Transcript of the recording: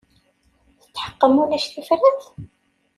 Tetḥeqqem ulac tifrat?